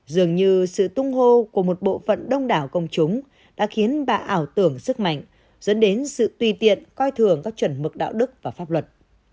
dường như sự tung hô của một bộ phận đông đảo công chúng đã khiến bà ảo tưởng sức mạnh dẫn đến sự tùy tiện coi thường các chuẩn mực đạo đức và pháp luật